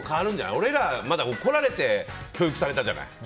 俺らまだ、怒られて教育されたじゃない。